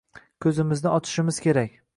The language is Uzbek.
ko‘zimizni ochishimiz kerak.